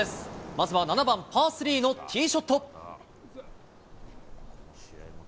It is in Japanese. まずは７番パー３のティーショット。